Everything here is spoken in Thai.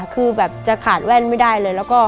คือแบบจะขาดแว่นไม่ได้เลย